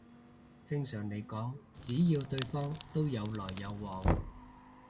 正常嚟講只要對方都有來有往